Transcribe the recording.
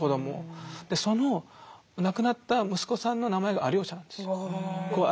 その亡くなった息子さんの名前がアリョーシャなんですよ。ああ。